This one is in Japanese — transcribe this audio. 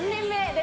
で